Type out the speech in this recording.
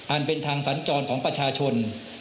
เป็นทางสัญจรของประชาชน